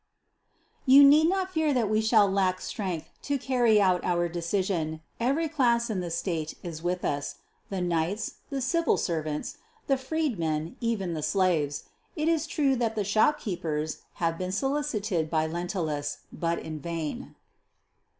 _You need not fear that we shall lack strength to carry out our decision. Every class in the State is with us: the knights, the civil servants, the freedmen, even the slaves. It is true that the shopkeepers have been solicited by Lentulus, but in vain.